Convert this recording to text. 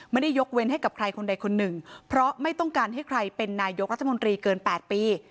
ไม่ได้ยกเว้นให้กับใครคนใดคนหนึ่งเพราะไม่ต้องการให้ใครเป็นนายกรัฐมนตรีเกิน๘ปี